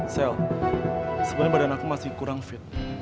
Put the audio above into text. sel sebenernya badan aku masih kurang fit